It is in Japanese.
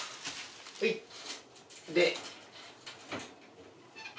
はいで。